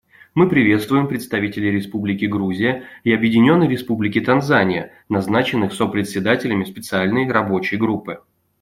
Мы приветствуем представителей Республики Грузия и Объединенной Республики Танзания, назначенных сопредседателями Специальной рабочей группы.